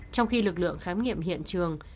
trong khi lực lượng khám nghiệm hiện trường